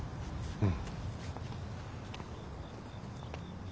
うん。